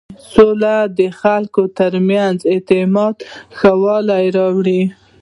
سوله د خلکو تر منځ په اعتماد کې ښه والی راولي.